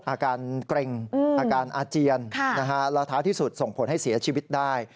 อาการเกร็งอาการอาเจียนแล้วท้ายที่สุดส่งผลให้เสียชีวิตได้